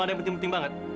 itu penting banget